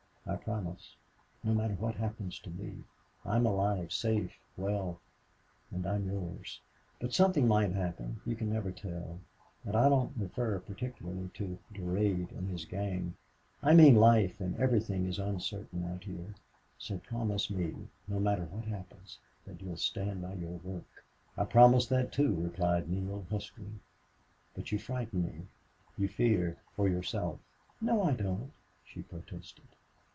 "I promise." "No matter what happens to me. I am alive, safe, well... and I'm yours. But something might happen you can never tell, and I don't refer particularly to Durade and his gang. I mean, life and everything is uncertain out here. So promise me, no matter what happens, that you'll stand by your work." "I promise that, too," replied Neale, huskily. "But you frighten me. You fear for yourself?" "No, I don't," she protested.